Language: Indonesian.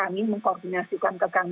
mengkoordinasikan ke kami